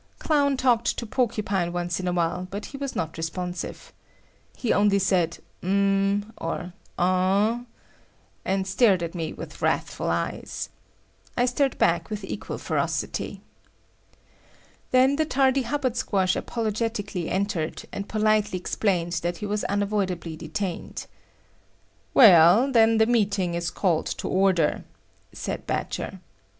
Clown talked to Porcupine once in a while, but he was not responsive. He only said "Umh" or "Ahm," and stared at me with wrathful eyes. I stared back with equal ferocity. Then the tardy Hubbard Squash apologetically entered, and politely explained that he was unavoidably detained. "Well, then the meeting is called to order," said Badger.